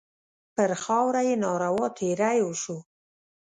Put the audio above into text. پر خاوره یې ناروا تېری وشو.